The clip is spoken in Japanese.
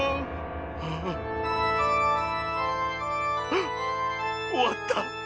あっおわった。